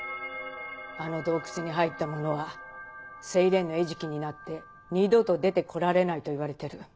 あの洞窟に入った者はセイレーンの餌食になって二度と出て来られないといわれてる。